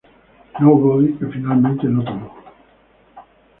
Nobody", que finalmente no tomó.